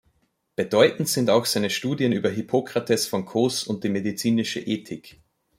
Bedeutend sind auch seine Studien über Hippokrates von Kos und die medizinische Ethik.